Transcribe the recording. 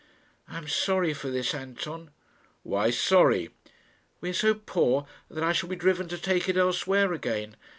"I am sorry for this, Anton." "Why sorry?" "We are so poor that I shall be driven to take it elsewhere again.